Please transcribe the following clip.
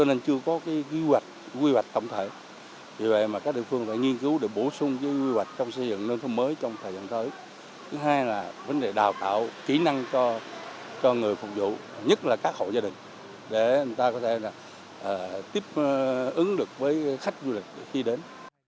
đây là vấn đề đào tạo kỹ năng cho người phục vụ nhất là các hộ gia đình để người ta có thể tiếp ứng được với khách du lịch khi đến